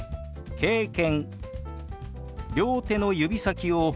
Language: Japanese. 「経験」。